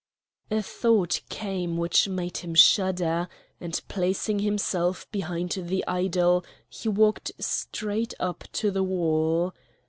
A thought came which made him shudder, and placing himself behind the idol he walked straight up to the wall.